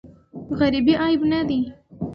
غریبې عیب نه دی.